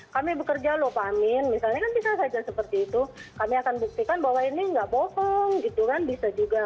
kami bekerja lho pak amin misalnya kan bisa saja seperti itu kami akan buktikan bahwa ini nggak bohong gitu kan bisa juga